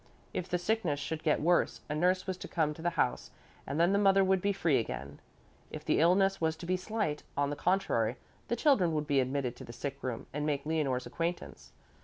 If the sickness should get worse, a nurse was to come to the house and then the mother would be free again. If the illness was to be slight, on the contrary, the children would be admitted to the sick room and make Leonore's acquaintance.